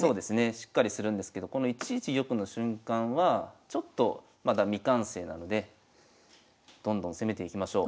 しっかりするんですけどこの１一玉の瞬間はちょっとまだ未完成なのでどんどん攻めていきましょう。